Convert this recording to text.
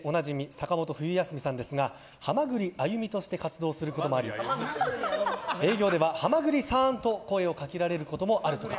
坂本冬休みさんですがハマグリ・アユミとして活動することもあり営業では、ハマグリさん！と声をかけられることもあると。